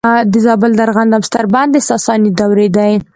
د زابل د ارغنداب ستر بند د ساساني دورې دی